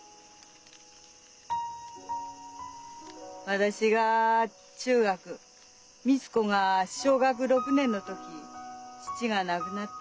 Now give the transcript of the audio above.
私が中学光子が小学６年の時父が亡くなったでない。